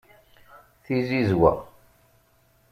Tizizwa